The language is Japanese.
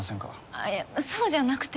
あっいやそうじゃなくて。